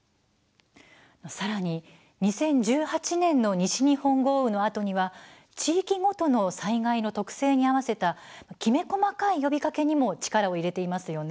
さらに、２０１８年の西日本豪雨のあとには地域ごとの災害の特性に合わせたきめ細かい呼びかけにも力を入れていますよね。